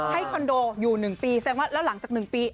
คอนโดอยู่๑ปีแสดงว่าแล้วหลังจาก๑ปี